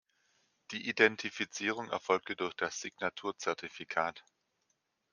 Die Identifizierung erfolgte durch das Signatur-Zertifikat.